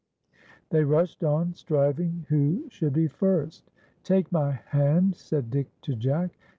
They rushed on, striving Vv^ho should be first. " Take my hand,' said Dick to Jack.